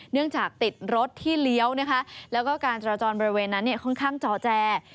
เนื่องจากติดรถที่เลี้ยวนะคะแล้วก็การจราจรบริเวณนั้นเนี่ยค่อนข้างจอแจ